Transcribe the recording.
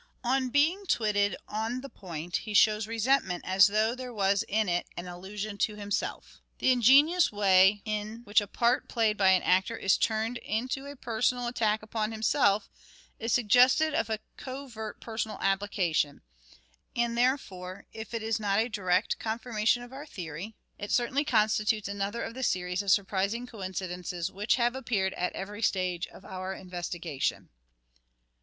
On being twitted on the point he shows resentment as though there was in it an allusion to himself. The ingenious way in which a part played by an actor is turned into a personal MANHOOD OF DE VERE : MIDDLE PERIOD 293 attack upon himself is suggestive of a covert personal application ; and therefore, if it is not a direct con firmation of our theory, it certainly constitutes another of the series of surprising coincidences which have appeared at every stage of our investigation.